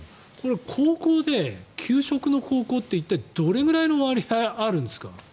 高校で給食の高校って一体どれくらいの割合があるんですか？